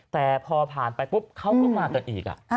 แต่พอผ่านไปปุ๊บเขาก็มากันอีก